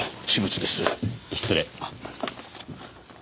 失礼。